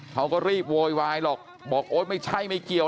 เขาก็รีบโวยวายหรอกบอกโอ๊ยไม่ใช่ไม่เกี่ยว